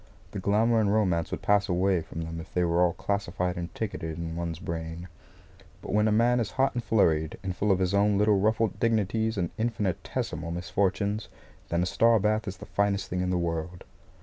The glamour and romance would pass away from them if they were all classified and ticketed in one's brain. But when a man is hot and flurried, and full of his own little ruffled dignities and infinitesimal misfortunes, then a star bath is the finest thing in the world.